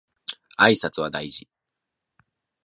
挨拶は大事